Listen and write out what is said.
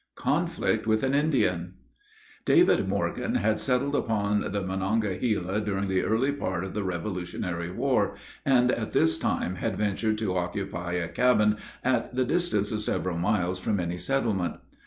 CONFLICT WITH AN INDIAN. David Morgan had settled upon the Monongahela during the early part of the revolutionary war, and at this time had ventured to occupy a cabin at the distance of several miles from any settlement.